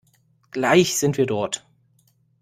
Gleich sind wir dort.